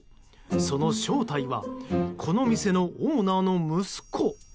その正体はこの店のオーナーの息子。